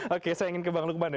oke saya ingin ke bang lukman ya